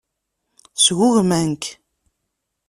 Sgugmen-k.